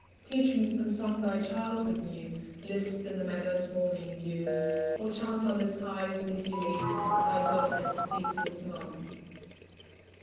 Teach me some song thy childhood knew, Lisped in the meadow's morning dew, Or chant on this high windy lea, Thy godhead's ceaseless moan.